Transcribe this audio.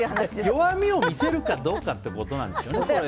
弱みを見せるかどうかということなんでしょうね。